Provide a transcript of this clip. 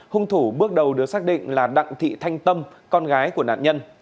hung thủ bước đầu được xác định là đặng thị thanh tâm con gái của nạn nhân